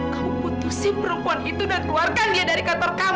kamu putusin perempuan itu dan keluarkan dia dari kantor kamu